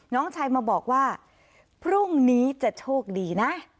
น้องชายมาบอกว่าพรุ่งนี้จะโชคดีนะ